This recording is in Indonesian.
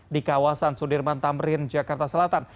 di kawasan sudirman tamrin jakarta selatan